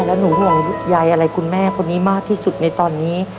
แล้วหนูห่วงใยอะไรคุณแม่คนนี้มากที่สุดในตอนนี้